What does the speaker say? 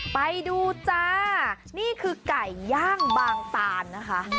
ไปดูจ้านี่คือไก่ย่างบางตานนะคะ